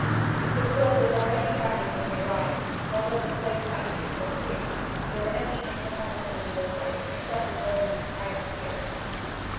_] The Globe was already crowded when he arrived, although the play did not begin till three (there were no evening performances in those days, except in noblemen's private theatres).